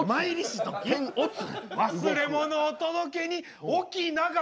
忘れ物を届けにおきなが